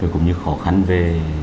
cũng như khó khăn về